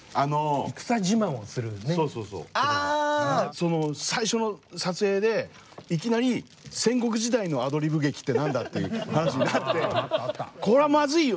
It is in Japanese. その最初の撮影でいきなり戦国時代のアドリブ劇って何だっていう話になってこれはまずいよ。